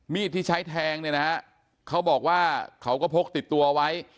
มีดที่ใช้แทงเนี่ยนะฮะเขาบอกว่าเขาก็พกติดตัวไว้